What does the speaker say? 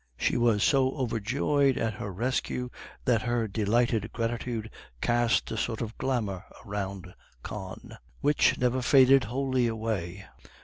She was so overjoyed at her rescue that her delighted gratitude cast a sort of glamour around Con, which never wholly faded away.